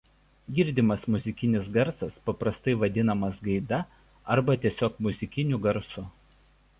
Girdimas muzikinis garsas paprastai vadinamas gaida arba tiesiog muzikiniu garsu.